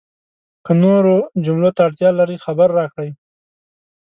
که نورو جملو ته اړتیا لرئ، خبر راکړئ!